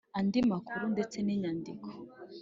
Andi makuru ndetse n inyandiko